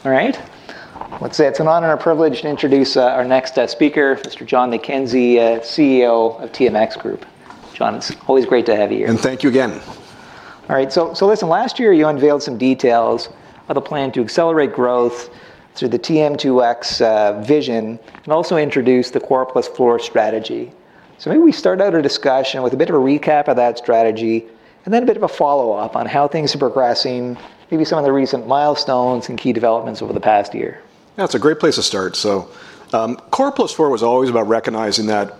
... All right. Let's say it's an honor and a privilege to introduce, our next, speaker, Mr. John McKenzie, CEO of TMX Group. John, it's always great to have you here. And thank you again. All right, so, so listen, last year you unveiled some details of a plan to accelerate growth through the TM2X vision, and also introduced the Core Plus Four strategy, so maybe we start out our discussion with a bit of a recap of that strategy, and then a bit of a follow-up on how things are progressing, maybe some of the recent milestones and key developments over the past year. That's a great place to start, so Core Plus Four was always about recognizing that,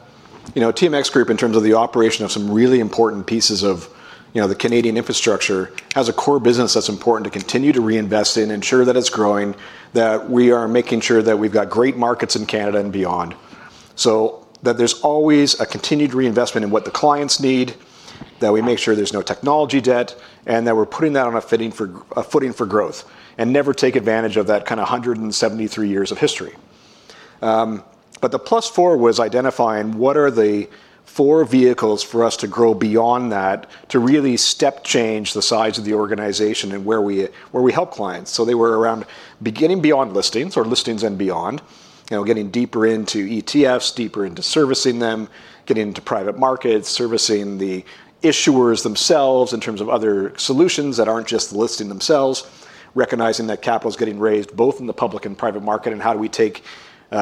you know, TMX Group, in terms of the operation of some really important pieces of, you know, the Canadian infrastructure, has a core business that's important to continue to reinvest in, ensure that it's growing, that we are making sure that we've got great markets in Canada and beyond, so that there's always a continued reinvestment in what the clients need, that we make sure there's no technology debt, and that we're putting that on a footing for growth, and never take advantage of that kind of 173 years of history, but the Plus Four was identifying what are the four vehicles for us to grow beyond that, to really step change the size of the organization and where we help clients. So they were around beginning beyond listings or listings and beyond, you know, getting deeper into ETFs, deeper into servicing them, getting into private markets, servicing the issuers themselves in terms of other solutions that aren't just the listing themselves, recognizing that capital is getting raised, both in the public and private market, and how do we take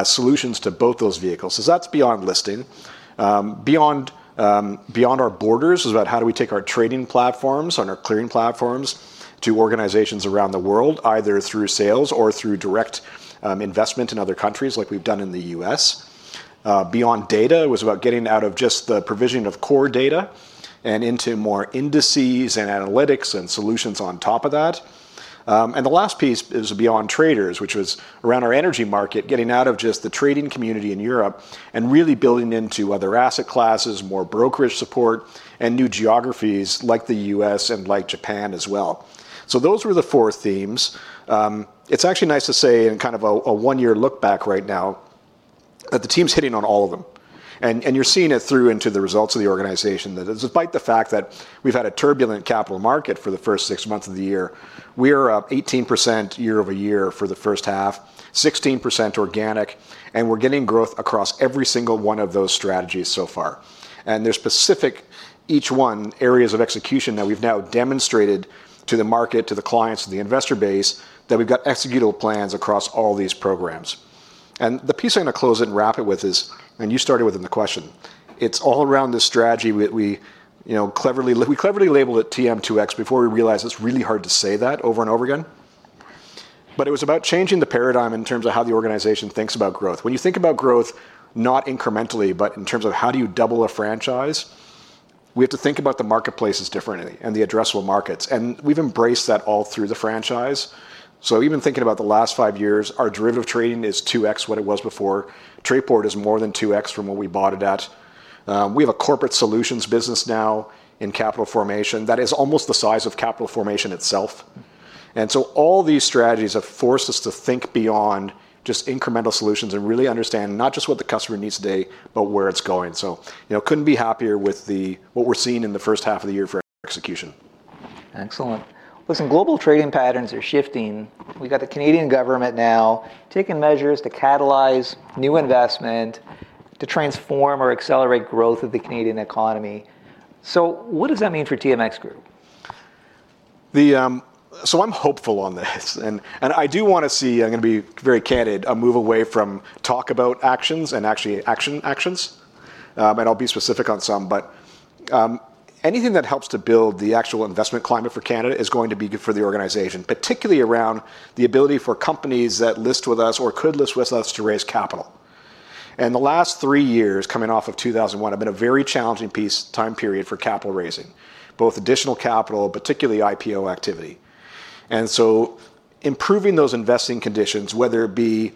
solutions to both those vehicles? So that's beyond listing. Beyond our borders is about how do we take our trading platforms and our clearing platforms to organizations around the world, either through sales or through direct investment in other countries, like we've done in the U.S.. Beyond data was about getting out of just the provision of core data and into more indices and analytics and solutions on top of that. And the last piece is beyond traders, which was around our energy market, getting out of just the trading community in Europe and really building into other asset classes, more brokerage support, and new geographies like the U.S. and like Japan as well. So those were the four themes. It's actually nice to say, in kind of a one-year look back right now, that the team's hitting on all of them. And you're seeing it through into the results of the organization, that despite the fact that we've had a turbulent capital market for the first six months of the year, we are up 18% year over year for the first half, 16% organic, and we're getting growth across every single one of those strategies so far. They're specific, each one, areas of execution that we've now demonstrated to the market, to the clients, and the investor base, that we've got executable plans across all these programs. The piece I'm going to close it and wrap it with is, and you started with in the question, it's all around this strategy we, you know, cleverly labeled it TM2X before we realized it's really hard to say that over and over again. It was about changing the paradigm in terms of how the organization thinks about growth. When you think about growth, not incrementally, but in terms of how do you double a franchise, we have to think about the marketplaces differently and the addressable markets, and we've embraced that all through the franchise. Even thinking about the last five years, our derivative trading is 2X what it was before. Trayport is more than 2X from what we bought it at. We have a corporate solutions business now in capital formation that is almost the size of capital formation itself. And so all these strategies have forced us to think beyond just incremental solutions and really understand not just what the customer needs today, but where it's going. So, you know, couldn't be happier with what we're seeing in the first half of the year for execution. Excellent. Listen, global trading patterns are shifting. We've got the Canadian government now taking measures to catalyze new investment, to transform or accelerate growth of the Canadian economy. So what does that mean for TMX Group? So I'm hopeful on this. I do want to see, I'm going to be very candid, a move away from talk about actions and actually actions. And I'll be specific on some, but anything that helps to build the actual investment climate for Canada is going to be good for the organization, particularly around the ability for companies that list with us or could list with us to raise capital. And the last three years, coming off of 2021, have been a very challenging time period for capital raising, both additional capital, but particularly IPO activity. And so improving those investing conditions, whether it be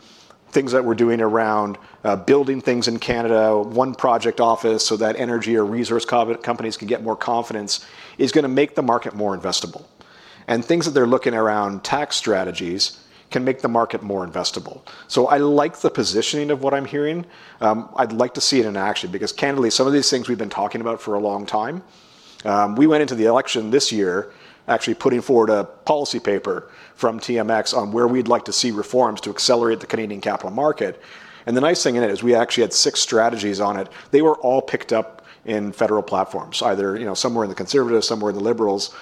things that we're doing around building things in Canada, one project office, so that energy or resource companies can get more confidence, is going to make the market more investable. Things that they're looking around tax strategies can make the market more investable. I like the positioning of what I'm hearing. I'd like to see it in action, because candidly, some of these things we've been talking about for a long time. We went into the election this year, actually putting forward a policy paper from TMX on where we'd like to see reforms to accelerate the Canadian capital market, and the nice thing in it is we actually had six strategies on it. They were all picked up in federal platforms, either, you know, somewhere in the Conservatives, somewhere in the Liberals.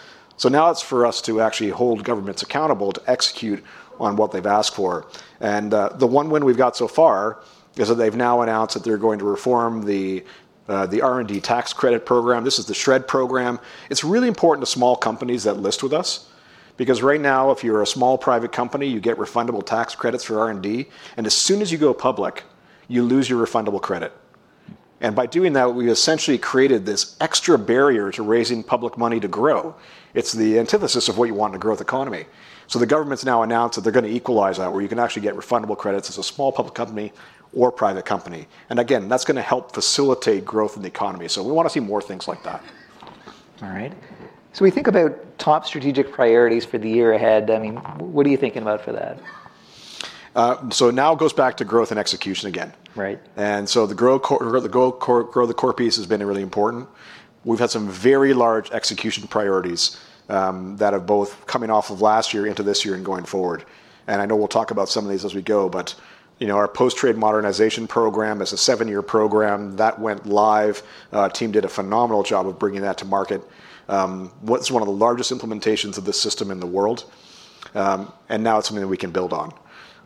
Now it's for us to actually hold governments accountable to execute on what they've asked for. The one win we've got so far is that they've now announced that they're going to reform the R&D tax credit program. This is the SR&ED program. It's really important to small companies that list with us, because right now, if you're a small private company, you get refundable tax credits for R&D, and as soon as you go public, you lose your refundable credit, and by doing that, we essentially created this extra barrier to raising public money to grow. It's the antithesis of what you want in a growth economy, so the government's now announced that they're going to equalize that, where you can actually get refundable credits as a small public company or private company, and again, that's going to help facilitate growth in the economy, so we want to see more things like that. All right. So we think about top strategic priorities for the year ahead. I mean, what are you thinking about for that?... So now it goes back to growth and execution again. Right. And so grow the core piece has been really important. We've had some very large execution priorities that have both coming off of last year into this year and going forward, and I know we'll talk about some of these as we go. But, you know, our Post-Trade Modernization program is a seven-year program. That went live. Team did a phenomenal job of bringing that to market. What's one of the largest implementations of this system in the world, and now it's something that we can build on.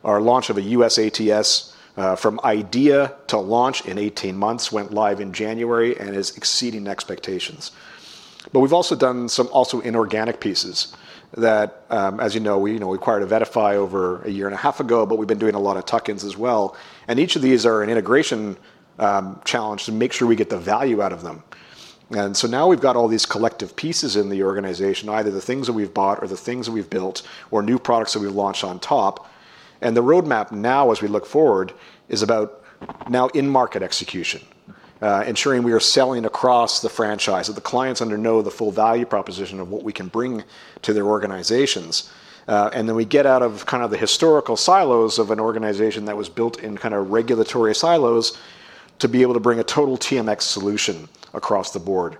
Our launch of a US ATS, from idea to launch in 18 months, went live in January and is exceeding expectations. But we've also done some inorganic pieces that, as you know, we, you know, acquired VettaFi over a year and a half ago, but we've been doing a lot of tuck-ins as well, and each of these are an integration challenge to make sure we get the value out of them. So now we've got all these collective pieces in the organization, either the things that we've bought or the things that we've built, or new products that we've launched on top. The roadmap now, as we look forward, is about in-market execution. Ensuring we are selling across the franchise, that the clients understand the full value proposition of what we can bring to their organizations. And then we get out of kind of the historical silos of an organization that was built in kind of regulatory silos to be able to bring a total TMX solution across the board.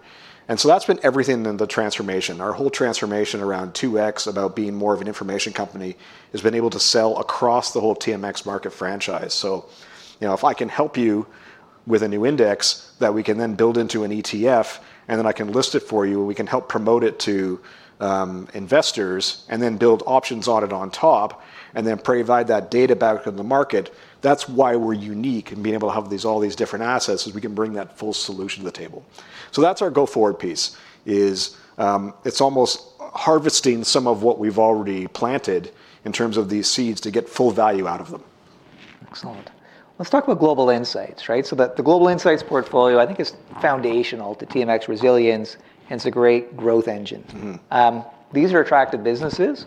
And so that's been everything in the transformation. Our whole transformation around 2X, about being more of an information company, has been able to sell across the whole TMX Market franchise. So, you know, if I can help you with a new index that we can then build into an ETF, and then I can list it for you, and we can help promote it to investors, and then build options on it on top, and then provide that data back to the market, that's why we're unique in being able to have these different assets, is we can bring that full solution to the table. So that's our go-forward piece. It is almost harvesting some of what we've already planted in terms of these seeds to get full value out of them. Excellent. Let's talk about Global Insights, right? So the Global Insights portfolio, I think, is foundational to TMX resilience, and it's a great growth engine. Mm-hmm. These are attractive businesses,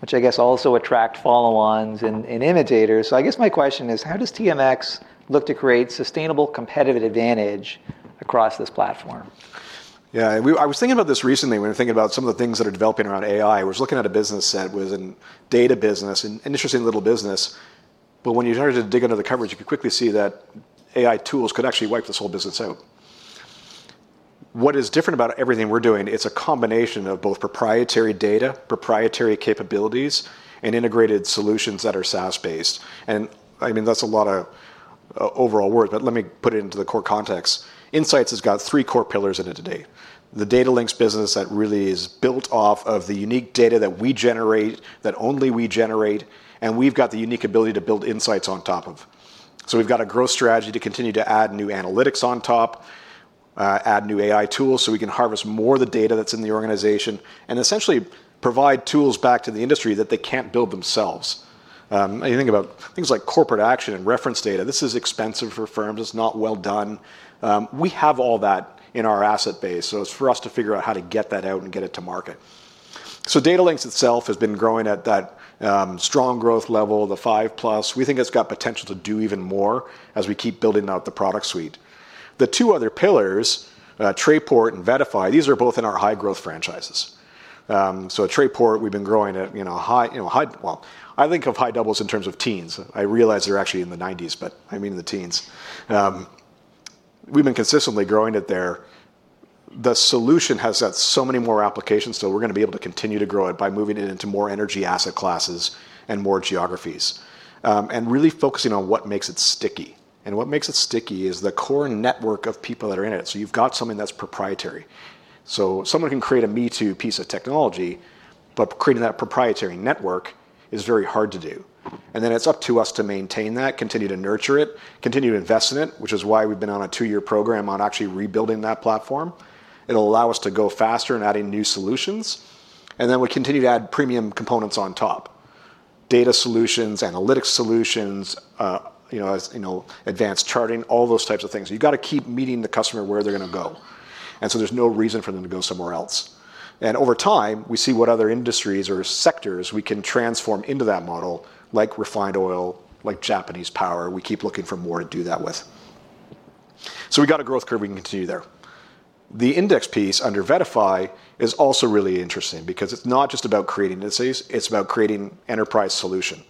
which I guess also attract follow-ons and, and imitators. So I guess my question is: How does TMX look to create sustainable competitive advantage across this platform? Yeah, I was thinking about this recently when I was thinking about some of the things that are developing around AI. I was looking at a business that was in data business, an interesting little business. But when you started to dig under the coverage, you could quickly see that AI tools could actually wipe this whole business out. What is different about everything we're doing, it's a combination of both proprietary data, proprietary capabilities, and integrated solutions that are SaaS-based. And I mean, that's a lot of overall work, but let me put it into the core context. Insights has got three core pillars in it today. The Datalinx business that really is built off of the unique data that we generate, that only we generate, and we've got the unique ability to build insights on top of. So we've got a growth strategy to continue to add new analytics on top, add new AI tools, so we can harvest more of the data that's in the organization, and essentially provide tools back to the industry that they can't build themselves. You think about things like corporate action and reference data. This is expensive for firms. It's not well done. We have all that in our asset base, so it's for us to figure out how to get that out and get it to market. So Data Links itself has been growing at that, strong growth level, the five-plus. We think it's got potential to do even more as we keep building out the product suite. The two other pillars, Trayport and VettaFi, these are both in our high-growth franchises. So at Trayport, we've been growing at, you know, high doubles in terms of teens. I realize they're actually in the nineties, but I mean the teens. We've been consistently growing it there. The solution has had so many more applications, so we're gonna be able to continue to grow it by moving it into more energy asset classes and more geographies, and really focusing on what makes it sticky. And what makes it sticky is the core network of people that are in it. So you've got something that's proprietary. So someone can create a me-too piece of technology, but creating that proprietary network is very hard to do. And then it's up to us to maintain that, continue to nurture it, continue to invest in it, which is why we've been on a two-year program on actually rebuilding that platform. It'll allow us to go faster in adding new solutions, and then we continue to add premium components on top: data solutions, analytics solutions, you know, as, you know, advanced charting, all those types of things. You've got to keep meeting the customer where they're gonna go, and so there's no reason for them to go somewhere else. And over time, we see what other industries or sectors we can transform into that model, like refined oil, like Japanese power. We keep looking for more to do that with. So we've got a growth curve we can continue there. The index piece under VettaFi is also really interesting because it's not just about creating indices, it's about creating enterprise solution,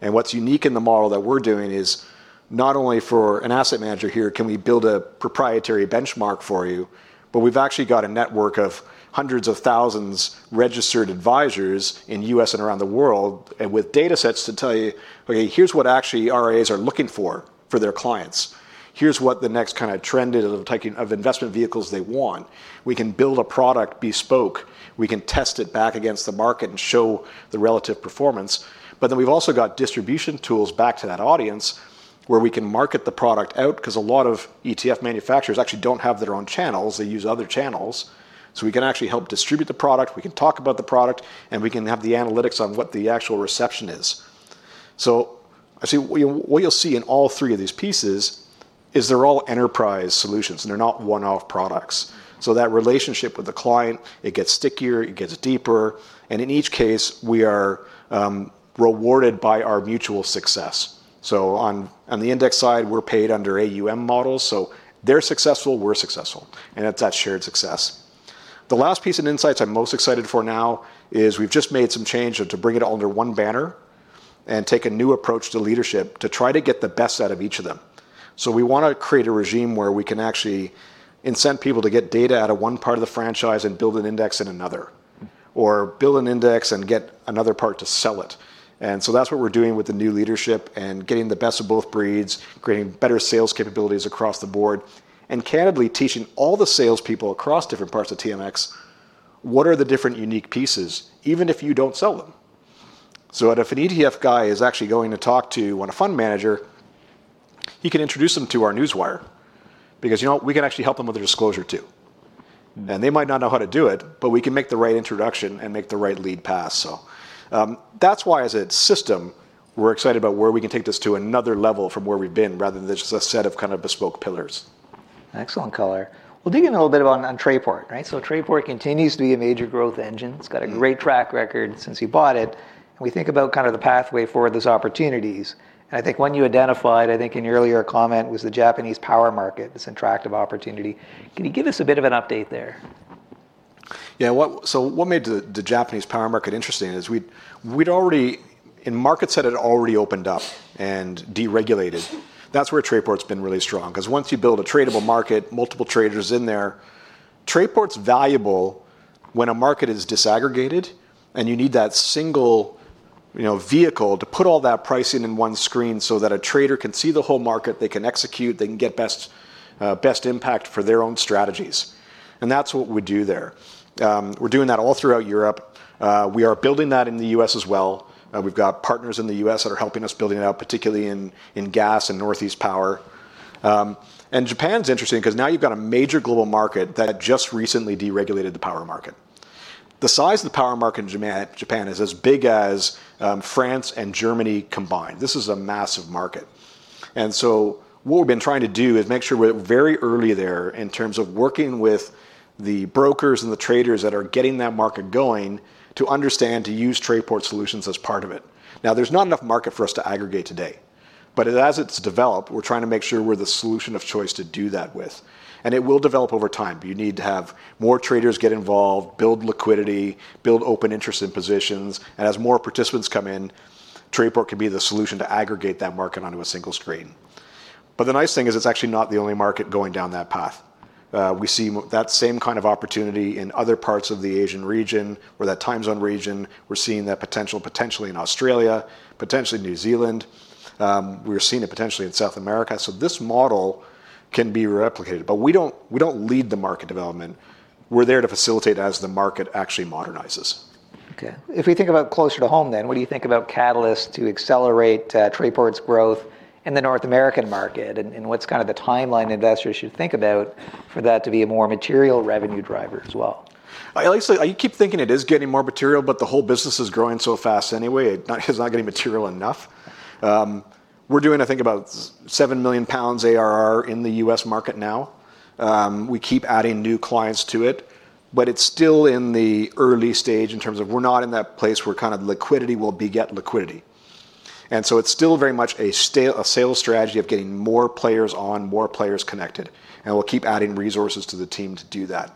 and what's unique in the model that we're doing is, not only for an asset manager here, can we build a proprietary benchmark for you, but we've actually got a network of hundreds of thousands registered advisors in U.S. and around the world, and with data sets to tell you, "Okay, here's what actually RIAs are looking for for their clients. Here's what the next kind of trend is of taking of investment vehicles they want." We can build a product bespoke. We can test it back against the market and show the relative performance, but then we've also got distribution tools back to that audience, where we can market the product out, 'cause a lot of ETF manufacturers actually don't have their own channels. They use other channels. So we can actually help distribute the product, we can talk about the product, and we can have the analytics on what the actual reception is. So I see what you'll see in all three of these pieces is they're all enterprise solutions, and they're not one-off products. So that relationship with the client, it gets stickier, it gets deeper, and in each case, we are rewarded by our mutual success. So on the index side, we're paid under AUM models, so they're successful, we're successful, and it's that shared success. The last piece in Insights I'm most excited for now is we've just made some changes to bring it all under one banner, and take a new approach to leadership to try to get the best out of each of them. So we wanna create a regime where we can actually incent people to get data out of one part of the franchise and build an index in another. Or build an index and get another part to sell it. And so that's what we're doing with the new leadership, and getting the best of both breeds, creating better sales capabilities across the board, and candidly, teaching all the salespeople across different parts of TMX what are the different unique pieces, even if you don't sell them. So if an ETF guy is actually going to talk to, well, a fund manager, he can introduce them to our newswire. Because, you know what? We can actually help them with their disclosure, too. Mm. They might not know how to do it, but we can make the right introduction, and make the right lead pass. So, that's why as a system, we're excited about where we can take this to another level from where we've been, rather than just a set of kind of bespoke pillars. Excellent color. We'll dig in a little bit about on Trayport, right? So Trayport continues to be a major growth engine. Mm. It's got a great track record since you bought it, and we think about kind of the pathway for those opportunities, and I think one you identified, I think in your earlier comment, was the Japanese power market, this attractive opportunity. Can you give us a bit of an update there? What made the Japanese power market interesting is we'd already in markets that had already opened up and deregulated, that's where Trayport's been really strong. 'Cause once you build a tradable market, multiple traders in there, Trayport's valuable when a market is disaggregated, and you need that single, you know, vehicle to put all that pricing in one screen, so that a trader can see the whole market, they can execute, they can get best impact for their own strategies. And that's what we do there. We're doing that all throughout Europe. We are building that in the U.S. as well. We've got partners in the U.S. that are helping us build it out, particularly in gas and Northeast power. And Japan's interesting, 'cause now you've got a major global market that just recently deregulated the power market. The size of the power market in Japan is as big as France and Germany combined. This is a massive market. And so what we've been trying to do is make sure we're very early there in terms of working with the brokers and the traders that are getting that market going, to understand, to use Trayport solutions as part of it. Now, there's not enough market for us to aggregate today, but as it's developed, we're trying to make sure we're the solution of choice to do that with. And it will develop over time, but you need to have more traders get involved, build liquidity, build open interest in positions, and as more participants come in, Trayport can be the solution to aggregate that market onto a single screen. But the nice thing is, it's actually not the only market going down that path. We see that same kind of opportunity in other parts of the Asian region, or that time zone region. We're seeing that potential, potentially in Australia, potentially New Zealand. We're seeing it potentially in South America. So this model can be replicated, but we don't, we don't lead the market development. We're there to facilitate it as the market actually modernizes. Okay. If we think about closer to home then, what do you think about catalysts to accelerate Trayport's growth in the North American market? And what's kind of the timeline investors should think about for that to be a more material revenue driver as well? I, like I say, I keep thinking it is getting more material, but the whole business is growing so fast anyway, it's not getting material enough. We're doing, I think, about 7 million pounds ARR in the U.S. market now. We keep adding new clients to it, but it's still in the early stage in terms of we're not in that place where kind of liquidity will beget liquidity. And so it's still very much a sales strategy of getting more players on, more players connected, and we'll keep adding resources to the team to do that.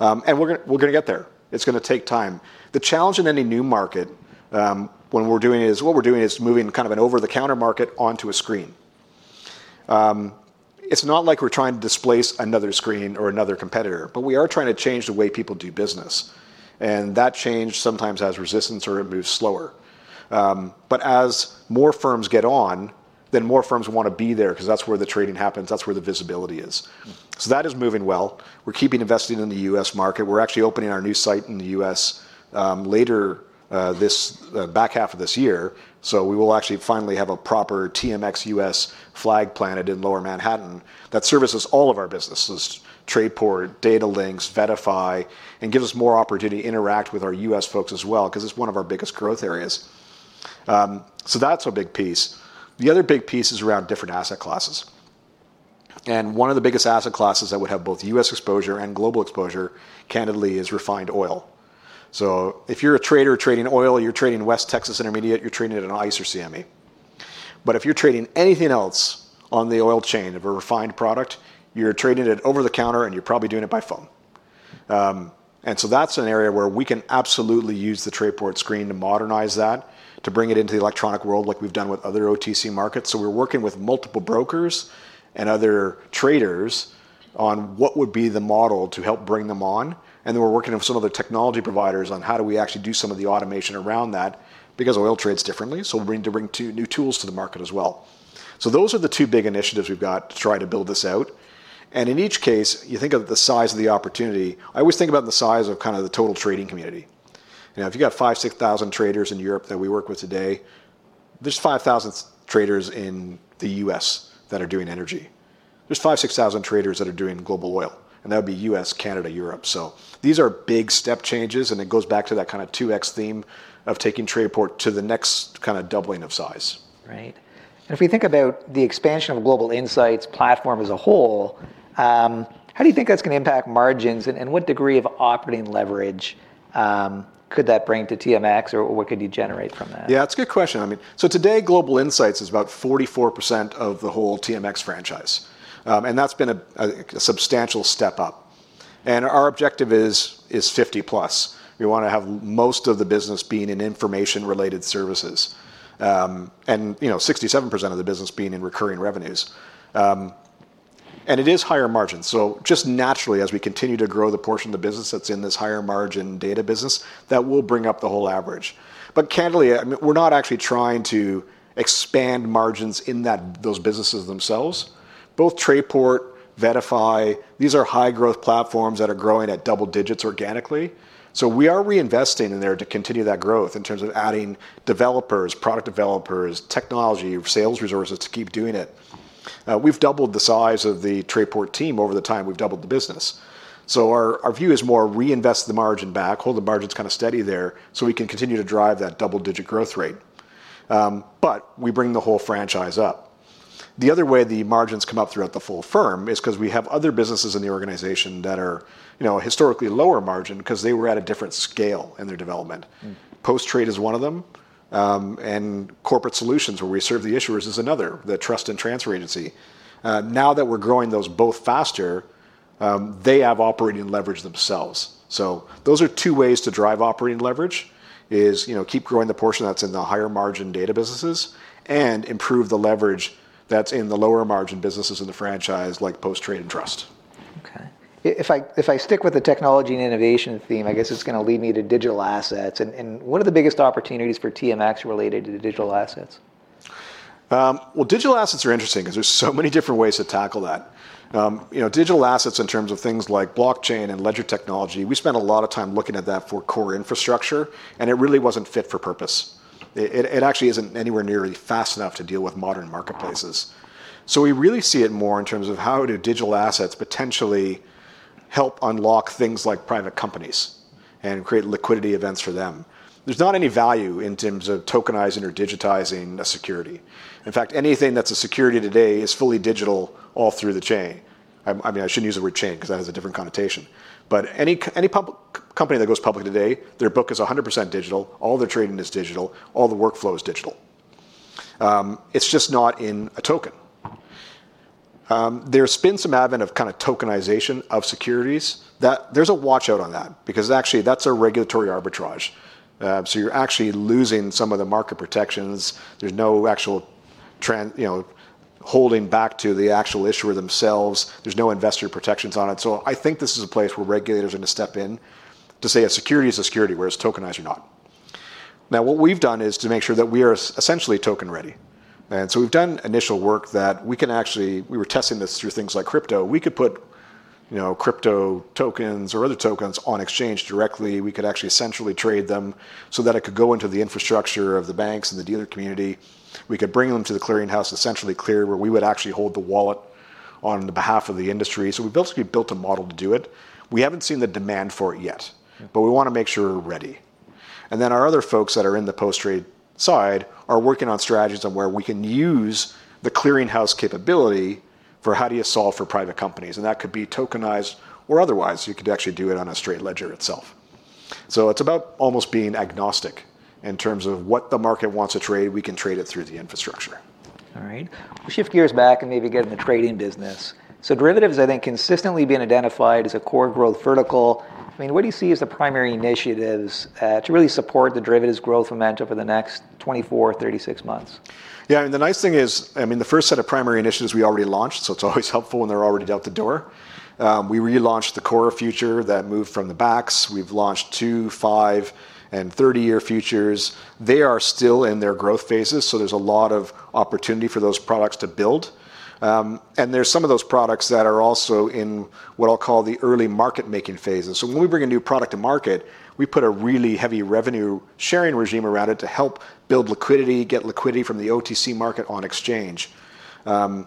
And we're gonna get there. It's gonna take time. The challenge in any new market, when we're doing it, is what we're doing is moving kind of an over-the-counter market onto a screen. It's not like we're trying to displace another screen or another competitor, but we are trying to change the way people do business, and that change sometimes has resistance, or it moves slower. But as more firms get on, then more firms wanna be there, 'cause that's where the trading happens, that's where the visibility is. Mm. So that is moving well. We're keeping investing in the U.S. market. We're actually opening our new site in the U.S., later this back half of this year. So we will actually finally have a proper TMX U.S. flag planted in Lower Manhattan that services all of our businesses, Trayport, TMX Datalinx, VettaFi, and gives us more opportunity to interact with our U.S. folks as well, 'cause it's one of our biggest growth areas. So that's a big piece. The other big piece is around different asset classes, and one of the biggest asset classes that would have both U.S. exposure and global exposure, candidly, is refined oil. So if you're a trader trading oil, you're trading West Texas Intermediate, you're trading it on ICE or CME. But if you're trading anything else on the oil chain of a refined product, you're trading it over the counter, and you're probably doing it by phone. And so that's an area where we can absolutely use the Trayport screen to modernize that, to bring it into the electronic world like we've done with other OTC markets. So we're working with multiple brokers and other traders on what would be the model to help bring them on, and then we're working with some of the technology providers on how do we actually do some of the automation around that, because oil trades differently, so we're going to bring two new tools to the market as well. So those are the two big initiatives we've got to try to build this out, and in each case, you think of the size of the opportunity. I always think about the size of kind of the total trading community. You know, if you've got 5,000, 6,000 traders in Europe that we work with today, there's 5,000 traders in the U.S. that are doing energy. There's 5,000, 6,000 traders that are doing global oil, and that would be U.S., Canada, Europe. So these are big step changes, and it goes back to that kind of 2X theme of taking Trayport to the next kind of doubling of size. Right. And if we think about the expansion of the Global Insights platform as a whole, how do you think that's gonna impact margins, and what degree of operating leverage could that bring to TMX, or what could you generate from that? Yeah, it's a good question. I mean, so today, Global Insights is about 44% of the whole TMX franchise, and that's been a substantial step up and our objective is 50 plus. We wanna have most of the business being in information-related services, and, you know, 67% of the business being in recurring revenues, and it is higher margin, so just naturally, as we continue to grow the portion of the business that's in this higher margin data business, that will bring up the whole average. But candidly, we're not actually trying to expand margins in those businesses themselves. Both Trayport, VettaFi, these are high-growth platforms that are growing at double digits organically, so we are reinvesting in there to continue that growth in terms of adding developers, product developers, technology, sales resources to keep doing it. We've doubled the size of the Trayport team over the time we've doubled the business. So our view is more reinvest the margin back, hold the margins kind of steady there, so we can continue to drive that double-digit growth rate. But we bring the whole franchise up. The other way the margins come up throughout the full firm is 'cause we have other businesses in the organization that are, you know, historically lower margin, 'cause they were at a different scale in their development. Mm. Post-trade is one of them, and corporate solutions, where we serve the issuers, is another, the trust and transfer agency. Now that we're growing those both faster, they have operating leverage themselves. Those are two ways to drive operating leverage: you know, keep growing the portion that's in the higher margin data businesses, and improve the leverage that's in the lower margin businesses in the franchise, like post-trade and trust. Okay. If I stick with the technology and innovation theme, I guess it's gonna lead me to digital assets, and what are the biggest opportunities for TMX related to digital assets? Well, digital assets are interesting, 'cause there's so many different ways to tackle that. You know, digital assets in terms of things like blockchain and ledger technology, we spent a lot of time looking at that for core infrastructure, and it really wasn't fit for purpose. It actually isn't anywhere nearly fast enough to deal with modern marketplaces. Uh-huh. We really see it more in terms of how do digital assets potentially help unlock things like private companies, and create liquidity events for them? There's not any value in terms of tokenizing or digitizing a security. In fact, anything that's a security today is fully digital all through the chain. I mean, I shouldn't use the word chain, 'cause that has a different connotation. But any public company that goes public today, their book is 100% digital, all their trading is digital, all the workflow is digital. It's just not in a token. There's been some advent of kind of tokenization of securities. There's a watch-out on that, because actually that's a regulatory arbitrage. So you're actually losing some of the market protections. There's no actual, you know, holding back to the actual issuer themselves. There's no investor protections on it. So I think this is a place where regulators are gonna step in to say, "A security is a security, whether it's tokenized or not." Now, what we've done is to make sure that we are essentially token-ready. And so we've done initial work that we can actually... We were testing this through things like crypto. We could put, you know, crypto tokens or other tokens on exchange directly. We could actually essentially trade them so that it could go into the infrastructure of the banks and the dealer community. We could bring them to the clearing house, essentially clear, where we would actually hold the wallet on behalf of the industry. So we built a model to do it. We haven't seen the demand for it yet- Yeah... but we wanna make sure we're ready. And then our other folks that are in the post-trade side are working on strategies on where we can use the clearing house capability for how do you solve for private companies, and that could be tokenized or otherwise. You could actually do it on a straight ledger itself. So it's about almost being agnostic. In terms of what the market wants to trade, we can trade it through the infrastructure. All right. We'll shift gears back and maybe get in the trading business, so derivatives, I think, consistently being identified as a core growth vertical. I mean, what do you see as the primary initiatives to really support the derivatives growth momentum for the next 24-36 months? Yeah, and the nice thing is, I mean, the first set of primary initiatives we already launched, so it's always helpful when they're already out the door. We relaunched the core future that moved from the banks. We've launched two, five, and 30-year futures. They are still in their growth phases, so there's a lot of opportunity for those products to build. And there's some of those products that are also in what I'll call the early market-making phases. So when we bring a new product to market, we put a really heavy revenue-sharing regime around it to help build liquidity, get liquidity from the OTC market on exchange. And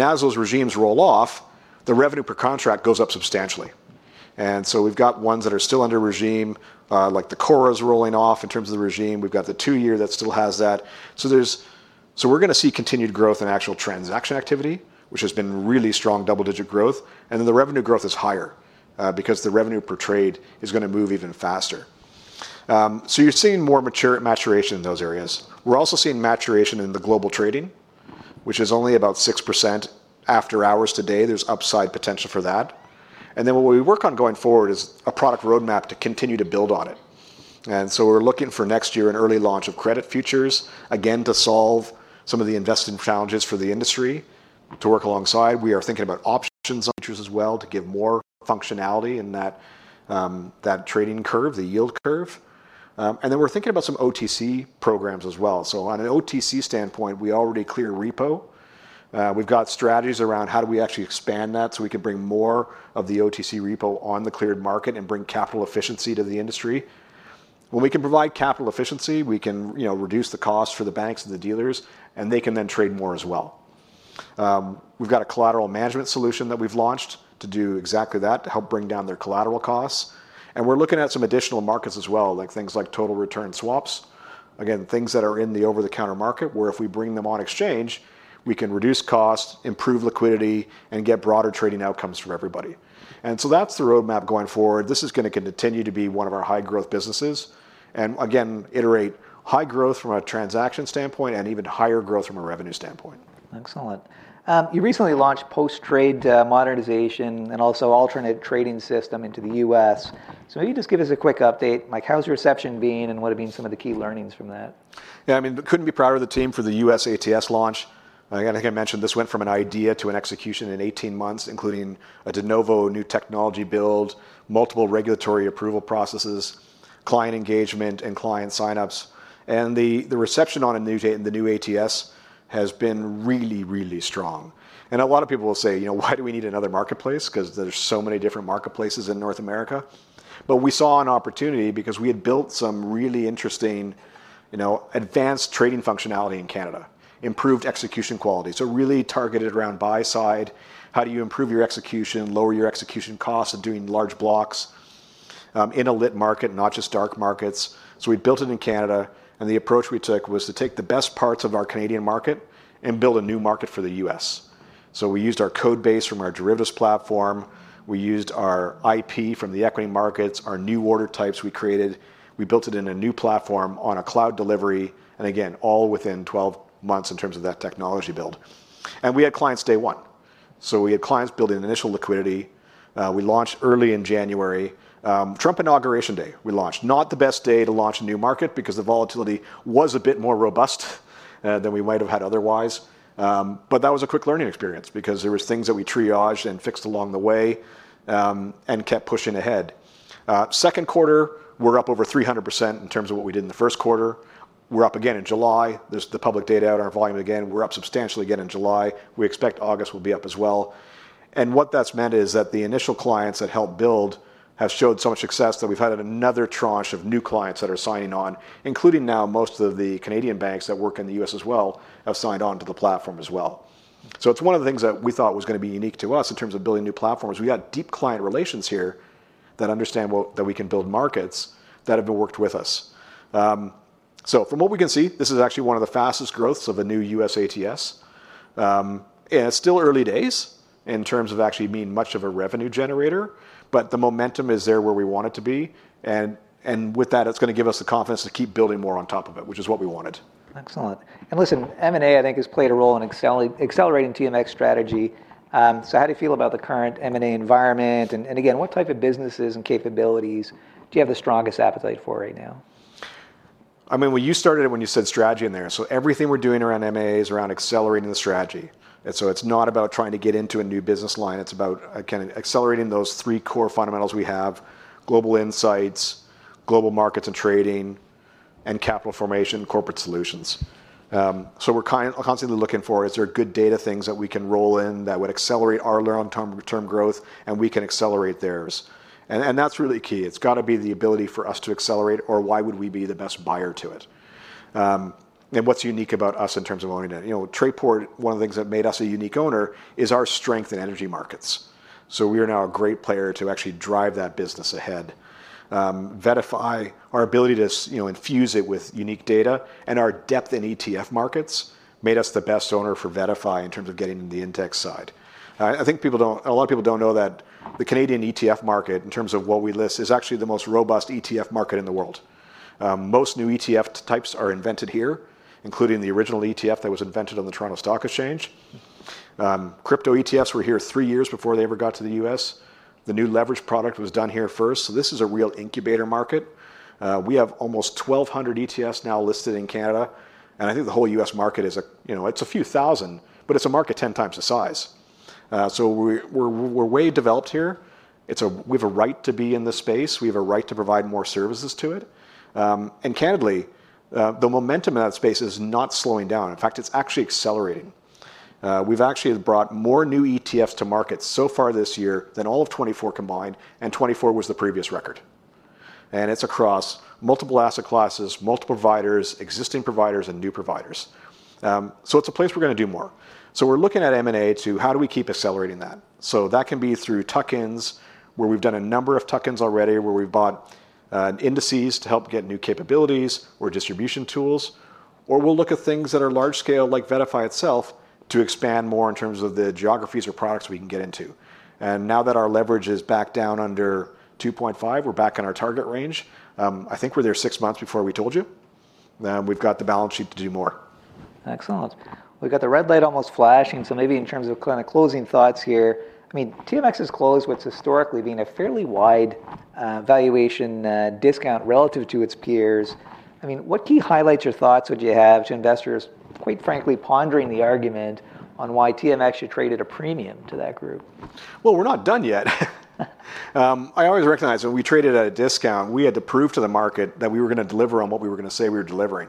as those regimes roll off, the revenue per contract goes up substantially. And so we've got ones that are still under regime. Like the core is rolling off in terms of the regime. We've got the two-year that still has that. So there's so we're gonna see continued growth and actual transaction activity, which has been really strong double-digit growth, and then the revenue growth is higher, because the revenue per trade is gonna move even faster. So you're seeing more maturation in those areas. We're also seeing maturation in the global trading, which is only about 6% after hours today. There's upside potential for that. And then what we work on going forward is a product roadmap to continue to build on it. And so we're looking for next year an early launch of credit futures, again, to solve some of the investing challenges for the industry. To work alongside, we are thinking about options on futures as well, to give more functionality in that trading curve, the yield curve. And then we're thinking about some OTC programs as well. So on an OTC standpoint, we already clear repo. We've got strategies around how do we actually expand that, so we can bring more of the OTC repo on the cleared market and bring capital efficiency to the industry? When we can provide capital efficiency, we can, you know, reduce the cost for the banks and the dealers, and they can then trade more as well. We've got a collateral management solution that we've launched to do exactly that, to help bring down their collateral costs, and we're looking at some additional markets as well, like things like total return swaps. Again, things that are in the over-the-counter market, where if we bring them on exchange, we can reduce costs, improve liquidity, and get broader trading outcomes from everybody. And so that's the roadmap going forward. This is gonna continue to be one of our high-growth businesses, and again, I reiterate high growth from a transaction standpoint, and even higher growth from a revenue standpoint.... Excellent. You recently launched post-trade modernization and also alternative trading system into the U.S. So maybe just give us a quick update, like how's the reception been, and what have been some of the key learnings from that? Yeah, I mean, couldn't be prouder of the team for the U.S. ATS launch. Again, like I mentioned, this went from an idea to an execution in 18 months, including a de novo new technology build, multiple regulatory approval processes, client engagement, and client sign-ups. And the reception on the new ATS has been really, really strong. And a lot of people will say, "You know, why do we need another marketplace?" 'Cause there's so many different marketplaces in North America. But we saw an opportunity because we had built some really interesting, you know, advanced trading functionality in Canada, improved execution quality. So really targeted around buy side, how do you improve your execution, lower your execution costs of doing large blocks, in a lit market, not just dark markets? So we built it in Canada, and the approach we took was to take the best parts of our Canadian market and build a new market for the U.S. So we used our code base from our derivatives platform, we used our IP from the equity markets, our new order types we created. We built it in a new platform on a cloud delivery, and again, all within 12 months in terms of that technology build. And we had clients day one. So we had clients building initial liquidity. We launched early in January. Trump Inauguration Day, we launched. Not the best day to launch a new market because the volatility was a bit more robust than we might have had otherwise. But that was a quick learning experience, because there was things that we triaged and fixed along the way, and kept pushing ahead. Q2, we're up over 300% in terms of what we did in the Q1. We're up again in July. There's the public data out on our volume again, we're up substantially again in July. We expect August will be up as well. And what that's meant is that the initial clients that helped build have showed so much success that we've had another tranche of new clients that are signing on, including now most of the Canadian banks that work in the U.S. as well, have signed on to the platform as well. So it's one of the things that we thought was gonna be unique to us in terms of building new platforms. We got deep client relations here, that understand well, that we can build markets that have been worked with us. From what we can see, this is actually one of the fastest growths of a new U.S. ATS. And it's still early days in terms of actually being much of a revenue generator, but the momentum is there where we want it to be. And with that, it's gonna give us the confidence to keep building more on top of it, which is what we wanted. Excellent. And listen, M&A, I think, has played a role in accelerating TMX strategy. So how do you feel about the current M&A environment? And again, what type of businesses and capabilities do you have the strongest appetite for right now? I mean, well, you started it when you said strategy in there. So everything we're doing around M&A is around accelerating the strategy. And so it's not about trying to get into a new business line, it's about, again, accelerating those three core fundamentals we have: Global Insights, global markets and trading, and capital formation, corporate solutions. So we're constantly looking for, is there good data things that we can roll in that would accelerate our long-term growth, and we can accelerate theirs? And that's really key. It's got to be the ability for us to accelerate, or why would we be the best buyer to it? And what's unique about us in terms of owning it, you know, Trayport, one of the things that made us a unique owner, is our strength in energy markets. So we are now a great player to actually drive that business ahead. VettaFi, our ability to you know, infuse it with unique data, and our depth in ETF markets, made us the best owner for VettaFi in terms of getting the index side. I think people don't... A lot of people don't know that the Canadian ETF market, in terms of what we list, is actually the most robust ETF market in the world. Most new ETF types are invented here, including the original ETF that was invented on the Toronto Stock Exchange. Crypto ETFs were here three years before they ever got to the U.S. The new leverage product was done here first, so this is a real incubator market. We have almost 1,200 ETFs now listed in Canada, and I think the whole U.S. market is a, you know, it's a few thousand, but it's a market 10 times the size. So we're way developed here. It's. We have a right to be in this space, we have a right to provide more services to it. And candidly, the momentum in that space is not slowing down, in fact, it's actually accelerating. We've actually brought more new ETFs to market so far this year than all of 2024 combined, and 2024 was the previous record. It's across multiple asset classes, multiple providers, existing providers and new providers. So it's a place we're gonna do more. We're looking at M&A to how do we keep accelerating that? So that can be through tuck-ins, where we've done a number of tuck-ins already, where we've bought, indices to help get new capabilities or distribution tools. Or we'll look at things that are large scale, like VettaFi itself, to expand more in terms of the geographies or products we can get into. And now that our leverage is back down under 2.5, we're back in our target range. I think we're there six months before we told you. We've got the balance sheet to do more. Excellent. We've got the red light almost flashing, so maybe in terms of kind of closing thoughts here, I mean, TMX is close to what's historically been a fairly wide valuation discount relative to its peers. I mean, what key highlights or thoughts would you have to investors, quite frankly, pondering the argument on why TMX should trade at a premium to that group? We're not done yet. I always recognize that we traded at a discount. We had to prove to the market that we were gonna deliver on what we were gonna say we were delivering.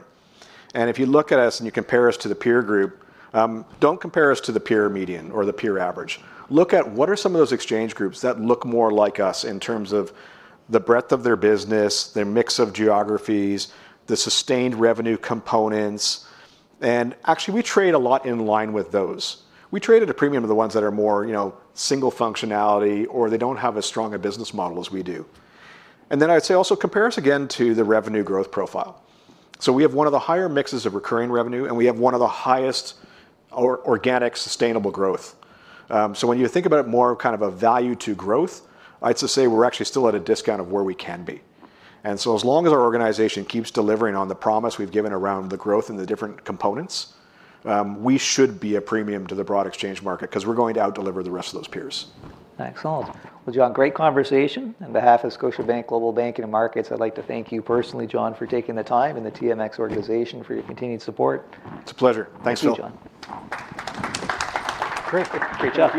And if you look at us and you compare us to the peer group, don't compare us to the peer median or the peer average. Look at what are some of those exchange groups that look more like us in terms of the breadth of their business, their mix of geographies, the sustained revenue components, and actually, we trade a lot in line with those. We trade at a premium of the ones that are more, you know, single functionality or they don't have as strong a business model as we do. And then I'd say also compare us again to the revenue growth profile. So we have one of the higher mixes of recurring revenue, and we have one of the highest organic, sustainable growth. So when you think about it more kind of a value to growth, I'd say we're actually still at a discount of where we can be. And so as long as our organization keeps delivering on the promise we've given around the growth and the different components, we should be a premium to the broad exchange market, 'cause we're going to out-deliver the rest of those peers. Excellent. Well, John, great conversation. On behalf of Scotiabank Global Banking and Markets, I'd like to thank you personally, John, for taking the time, and the TMX organization for your continued support. It's a pleasure. Thanks, Phil. Thank you, John. Great. Great job.